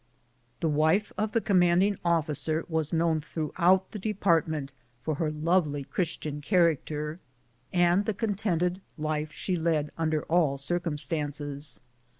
The wife of the commanding officer was known throughout the department for her lovely Christian character, and the contented life she led under all cir cumstances.